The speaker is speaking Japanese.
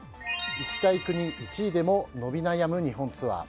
行きたい国１位でも伸び悩む日本ツアー。